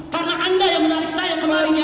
karena anda yang menarik saya kemarin